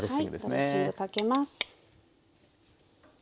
はいドレッシングかけます。